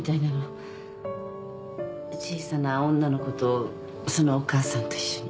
小さな女の子とそのお母さんと一緒に。